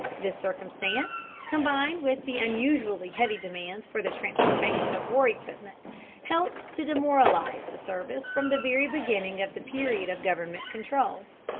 This circumstance, combined with the unusually heavy demands for the transportation of war equipment, helped to demoralize the service from the very beginning of the period of government control.